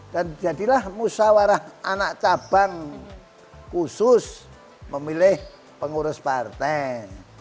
dan jadilah musawarah anak cabang khusus memilih pengurus partai